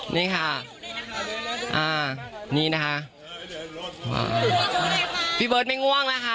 นี่ค่ะอ่านี่นะคะพี่เบิร์ตไม่ง่วงนะคะ